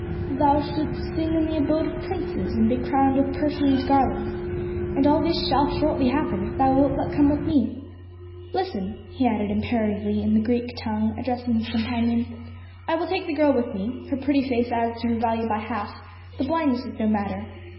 Thou shouldst sing in the abode of princes, and be crowned with perfumed garlands, and all this shall shortly happen if thou wilt but come with me. Listen!" he added imperatively in the Greek tongue, addressing his companion. "I will take the girl with me, her pretty face adds to her value by half, the blindness is no matter.